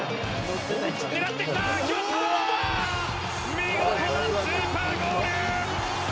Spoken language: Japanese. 見事なスーパーゴール！